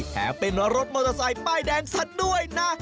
แถมเป็นรถมอเตอร์ไซค์ป้ายแดงซะด้วยนะ